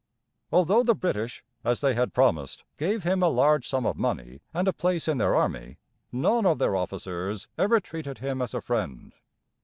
Although the British, as they had promised, gave him a large sum of money and a place in their army, none of their officers ever treated him as a friend.